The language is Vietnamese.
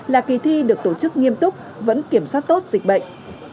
là kỳ thi được tổ chức nghiêm túc vẫn kiểm soát tốt dịch bệnh